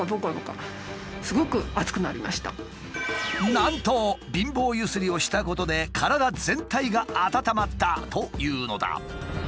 なんと貧乏ゆすりをしたことで体全体が温まったというのだ。